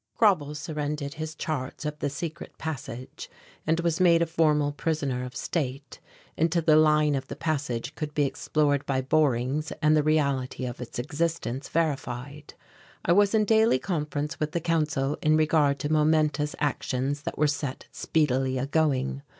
Grauble surrendered his charts of the secret passage and was made a formal prisoner of state, until the line of the passage could be explored by borings and the reality of its existence verified. I was in daily conference with the Council in regard to momentous actions that were set speedily a going.